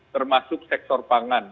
termasuk sektor pangan